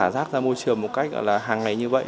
rác ra môi trường một cách là hàng ngày như vậy